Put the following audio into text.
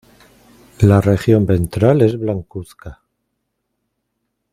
La región ventral es blancuzca.